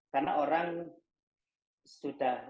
karena orang sudah